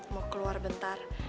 mau keluar bentar